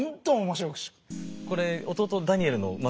これ弟ダニエルのまあ